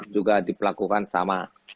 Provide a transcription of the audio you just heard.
juga diperlakukan sama